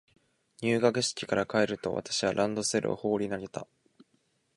入学式から帰ると、私はランドセルを放り投げた。